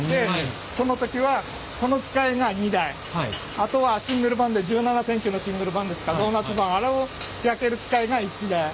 あとはシングル盤で１７センチのシングル盤ですかドーナツ盤あれを焼ける機械が１台。